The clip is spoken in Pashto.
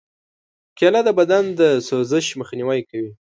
کېله د بدن د سوزش مخنیوی کوي.